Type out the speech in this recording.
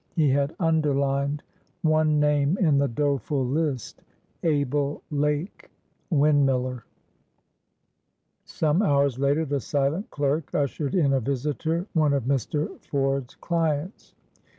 He had underlined one name in the doleful list,—Abel Lake, windmiller. Some hours later the silent clerk ushered in a visitor, one of Mr. Ford's clients.